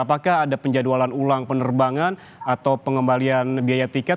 apakah ada penjadwalan ulang penerbangan atau pengembalian biaya tiket